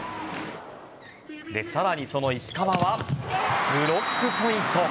さらに石川はブロックポイント。